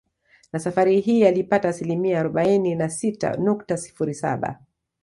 Na safari hii alipata asilimia arobaini na sita nukta sifuri saba